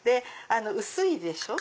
薄いでしょ